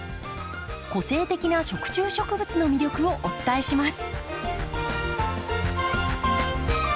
個性的な食虫植物の魅力をお伝えします。